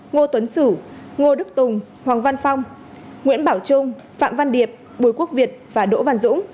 ngô tuấn sử ngô đức tùng hoàng văn phong nguyễn bảo trung phạm văn điệp bùi quốc việt và đỗ văn dũng